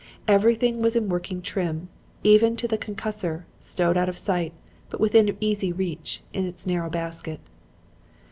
Everything was in working trim, even to the concussor, stowed out of sight, but within easy reach, in its narrow basket.